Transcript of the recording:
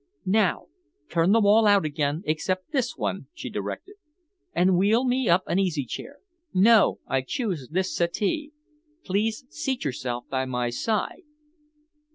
"Now turn them all out again except this one," she directed, "and wheel me up an easy chair. No, I choose this settee. Please seat yourself by my side."